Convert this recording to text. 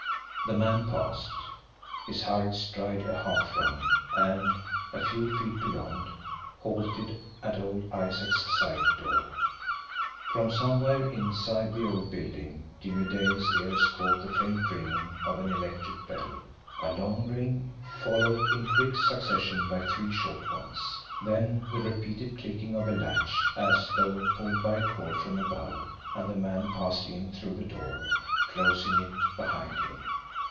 The man passed, his hurried stride a half run; and, a few feet beyond, halted at old Isaac's side door. From somewhere inside the old building Jimmie Dale's ears caught the faint ringing of an electric bell; a long ring, followed in quick succession by three short ones then the repeated clicking of a latch, as though pulled by a cord from above, and the man passed in through the door, closing it behind him.